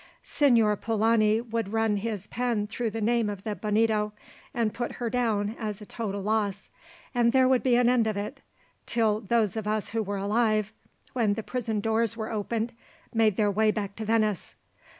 "Signor Polani would run his pen through the name of the Bonito, and put her down as a total loss, and there would be an end of it, till those of us who were alive, when the prison doors were opened, made their way back to Venice.